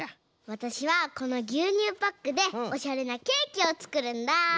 わたしはこのぎゅうにゅうパックでオシャレなケーキをつくるんだ！